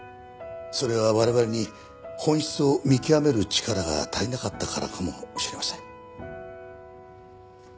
それは我々に本質を見極める力が足りなかったからかもしれません。